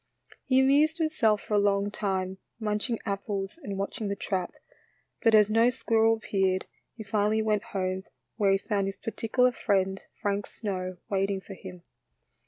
He amused himself for a long time munch ing apples and watching the trap, but as no squirrel appeared, he finally went home, where he found his particular friend, Frank Snow, waiting for him.